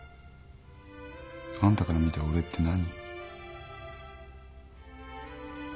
あんたから見た俺って何？